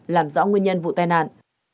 làm rõ nguyên nhân vụ tai nạn